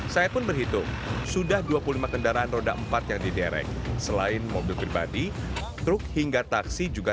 saya pun berhitung sudah dua puluh lima kendaraan roda empat yang diderek selain mobil pribadi truk hingga taksi juga